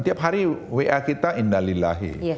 tiap hari wa kita indah lillahi